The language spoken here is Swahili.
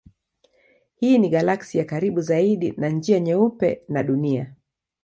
Hii ni galaksi ya karibu zaidi na Njia Nyeupe na Dunia.